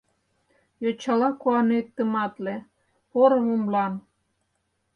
Йочала куанет тыматле, поро лумлан.